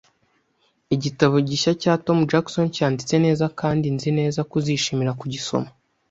Igitabo gishya cya Tom Jackson cyanditse neza kandi nzi neza ko uzishimira kugisoma